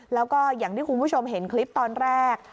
แล้วก็อย่างที่คุณผู้ชมเห็นคลิปตอนแรก